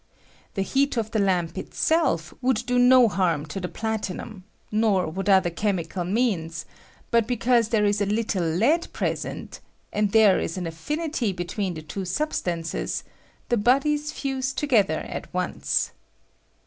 The heat of the lamp itself would do no harm to the platinum, nor would other chemical means ; but because there is a little lead present, and there is an affinity between the two substances, the bodies fuse together at once.